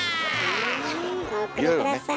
はいお送り下さい。